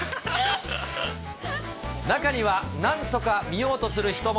中には、なんとか見ようとする人も。